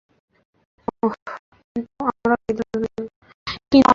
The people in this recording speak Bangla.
কিন্তু আমরা মেয়েদের স্বাধীনতা দিতে ভয় পাই।